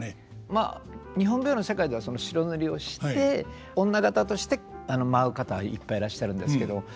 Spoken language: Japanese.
まあ日本舞踊の世界では白塗りをして女方として舞う方いっぱいいらっしゃるんですけど。